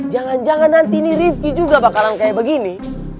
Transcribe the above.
jangan jangan nanti nih rivki juga bakalan kayak begini